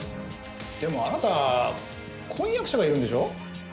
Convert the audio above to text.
でもあなた婚約者がいるんでしょ？